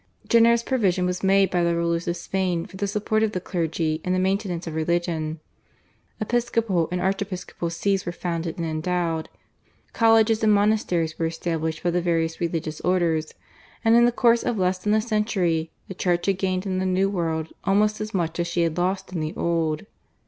Generous provision was made by the rulers of Spain for the support of the clergy and the maintenance of religion. Churches were erected, episcopal and archiepiscopal Sees were founded and endowed, colleges and monasteries were established by the various religious orders, and in the course of less than a century the Church had gained in the new world almost as much as she had lost in the old.